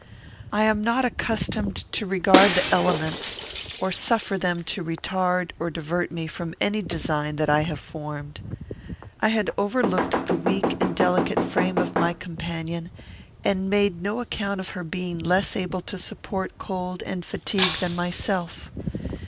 I am not accustomed to regard the elements, or suffer them to retard or divert me from any design that I have formed. I had overlooked the weak and delicate frame of my companion, and made no account of her being less able to support cold and fatigue than myself.